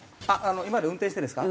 今まで運転してですか？